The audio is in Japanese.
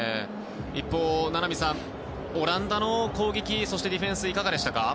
一方、名波さんオランダの攻撃そしてディフェンスはいかがでしたか？